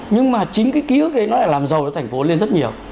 nhưng mà chính cái ký ức đấy nó lại làm dâu thành phố lên rất nhiều